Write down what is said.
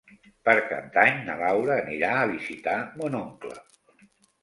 Per Cap d'Any na Laura anirà a visitar mon oncle.